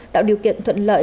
tạo điều kiện thuận lợi